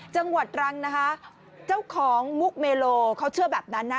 จังหวัดตรังนะคะเจ้าของมุกเมโลเขาเชื่อแบบนั้นนะ